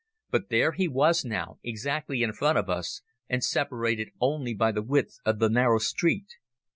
But there he was now, exactly in front of us, and separated only by the width of the narrow street.